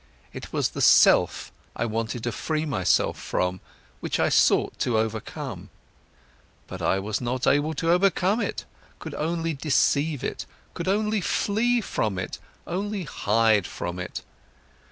It was the self, I wanted to free myself from, which I sought to overcome. But I was not able to overcome it, could only deceive it, could only flee from it, only hide from it.